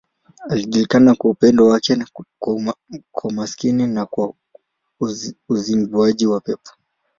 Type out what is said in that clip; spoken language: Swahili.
Alijulikana kwa upendo wake kwa maskini na kwa uzinguaji wa pepo.